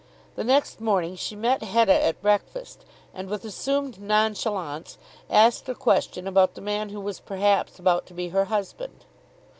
The next morning she met Hetta at breakfast, and with assumed nonchalance asked a question about the man who was perhaps about to be her husband.